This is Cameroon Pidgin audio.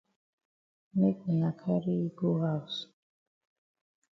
Make wuna carry yi go haus.